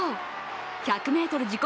１００ｍ自己